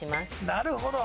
なるほど。